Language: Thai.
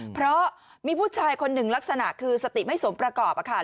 เพราะมีผู้ชายคนหนึ่งลักษณะคือสติไม่สมประกอบค่ะ